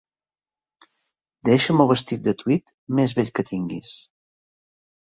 Deixa'm el vestit de tweed més vell que tinguis.